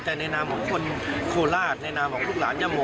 แต่ในนามของคนโคราชในนามของลูกหลานย่าโม